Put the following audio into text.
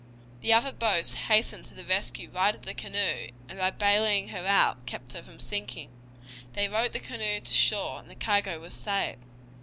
The other boats hastened to the rescue, righted the canoe, and by baling her out kept her from sinking. They rowed the canoe to shore and the cargo was saved.